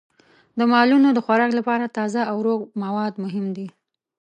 د مالونو د خوراک لپاره تازه او روغ مواد مهم دي.